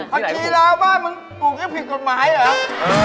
พักทีแล้วว่ามันปลูกยังผิดกฎหมายเหรอ